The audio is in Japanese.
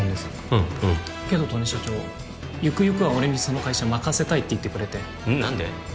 うんうんけど刀根社長ゆくゆくは俺にその会社任せたいって言ってくれてうん何で？